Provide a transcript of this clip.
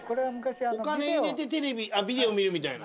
お金入れてテレビビデオ見るみたいな。